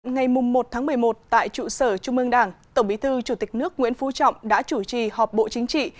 ngày một một mươi một tại trụ sở trung ương đảng tổng bí thư chủ tịch nước nguyễn phú trọng đã chủ trì họp bộ chính trị